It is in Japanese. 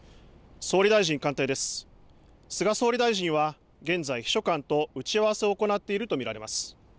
菅総理大臣は現在、秘書官と打ち合わせを行っていると見られます。